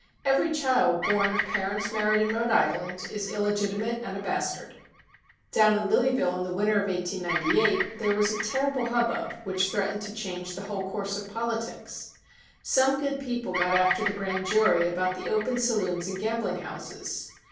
Every child born of parents married in Rhode Island is illegitimate and a bastard. Down in Louisville in the winter of 1898 there was a terrible hubbub which threat ened to change the whole course of politics. Some good people got after the Grand Jury about the open saloons and gambling houses.